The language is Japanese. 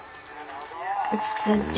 落ち着いて。